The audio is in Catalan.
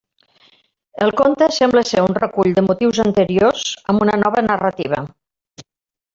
El conte sembla ser un recull de motius anteriors amb una nova narrativa.